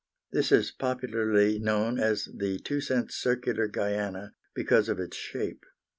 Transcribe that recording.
This is popularly known as the 2 cents circular Guiana, because of its shape.